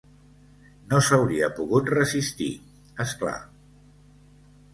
No s'hauria pogut resistir, és clar.